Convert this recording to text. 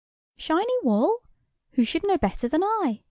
"Shiny Wall? Who should know better than I?